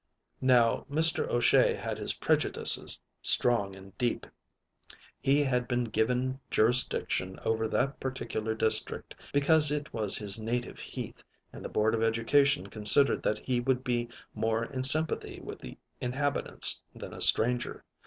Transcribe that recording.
Now Mr. O'Shea had his prejudices strong and deep. He had been given jurisdiction over that particular district because it was his native heath, and the Board of Education considered that he would be more in sympathy with the inhabitants than a stranger.